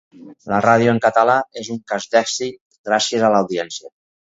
La ràdio en català és un cas d’èxit gràcies a l’audiència.